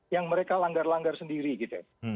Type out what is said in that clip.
yang mereka langgar langgar sendiri gitu